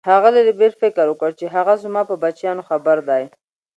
ښاغلي ربیټ فکر وکړ چې هغه زما په بچیانو خبر دی